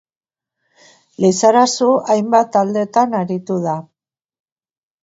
Lizarazu hainbat taldetan aritu da.